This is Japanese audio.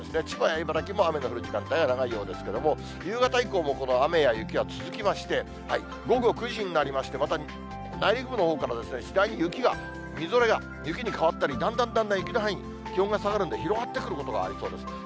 千葉や茨城も雨の降る時間帯が長いようですけども、夕方以降も、この雨や雪が続きまして、午後９時になりまして、また内陸部のほうから次第に雪が、みぞれが雪に変わったり、だんだんだんだん、雪の範囲、気温が下がるんで、広がってくることがありそうです。